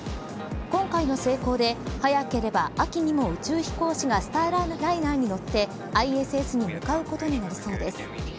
今回の成功で早ければ秋にも宇宙飛行士がスターライナーに乗ってＩＳＳに向かうことになりそうです。